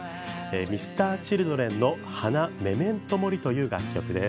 Ｍｒ．Ｃｈｉｌｄｒｅｎの「花‐Ｍｅｍｅｎｔｏ‐Ｍｏｒｉ‐」という楽曲です。